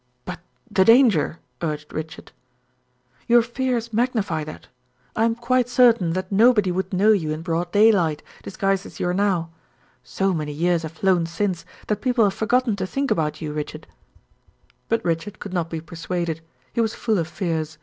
"But the danger?" urged Richard. "Your fears magnify that. I am quite certain that nobody would know you in broad daylight, disguised as you are now. So many years have flown since, that people have forgotten to think about you, Richard." But Richard could not be persuaded; he was full of fears.